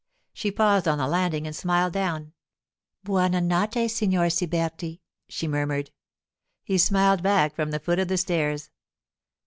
She paused on the landing and smiled down. 'Buona notte, Signor Siberti,' she murmured. He smiled back from the foot of the stairs.